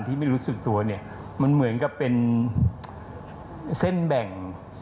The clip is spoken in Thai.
ที่ไม่รู้สึกตัวมันเหมือนกับเป็นเส้นแบ่ง